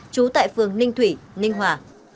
trú tại phường ninh thủy ninh hòa